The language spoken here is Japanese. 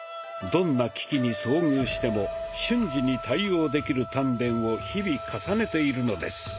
どんな危機に遭遇しても瞬時に対応できる鍛錬を日々重ねているのです。